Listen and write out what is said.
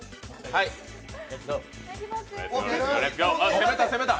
攻めた、攻めた！